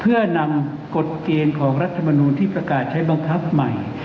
เพื่อนำกฎเกณฑ์ของรัฐมนูลที่ประกาศใช้บังคับใหม่